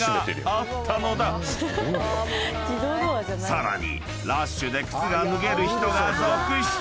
［さらにラッシュで靴が脱げる人が続出！］